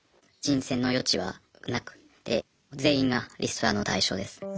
人選の余地はなくて全員がリストラの対象です。